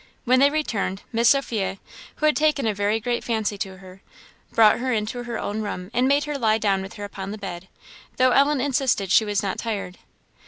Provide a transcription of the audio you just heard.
When they returned, Miss Sophia, who had taken a very great fancy to her, brought her into her own room and made her lie down with her upon the bed, though Ellen insisted she was not tired.